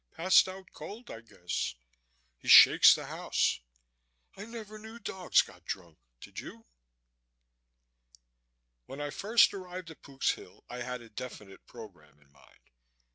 Passed out cold, I guess. He shakes the house. I never knew dogs got drunk, did you?" When I first arrived at Pook's Hill I had a definite program in mind.